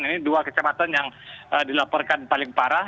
ini dua kecamatan yang dilaporkan paling parah